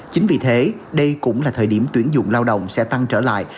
chính vì thế đây cũng là thời điểm tuyển dụng lao động sẽ tăng trở lại